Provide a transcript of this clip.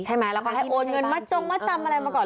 ใช่ไหมแล้วก็ให้โอนเงินมัดจงมัดจำอะไรมาก่อน